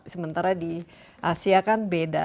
sementara di asia kan beda